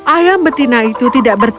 ayam betina itu tidak berteri